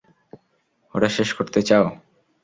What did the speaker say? ওটা শেষ করতে চাও?